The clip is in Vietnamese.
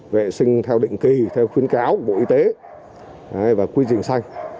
vệ sinh theo định kỳ theo khuyến cáo của bộ y tế và quy định sanh